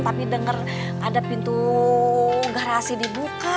tapi dengar ada pintu garasi dibuka